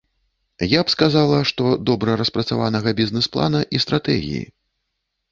Я б сказала, што добра распрацаванага бізнэс-плана і стратэгіі.